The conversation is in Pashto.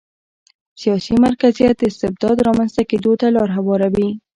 سیاسي مرکزیت د استبداد رامنځته کېدو ته لار هواروي.